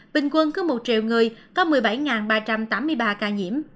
bình quân cứ một triệu người có một mươi bảy ba trăm tám mươi ba ca nhiễm